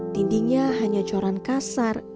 dindingnya hanya coran kasar